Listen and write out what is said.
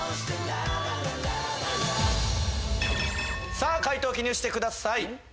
さぁ解答記入してください。